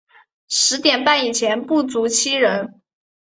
十点半以前不足七人